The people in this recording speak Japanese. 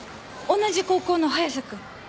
同じ高校の早瀬君。